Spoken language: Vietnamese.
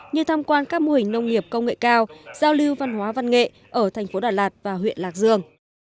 như tham quan các mô hình nông nghiệp công nghệ cao giao lưu văn hóa văn nghệ ở thành phố đà lạt và huyện lạc dương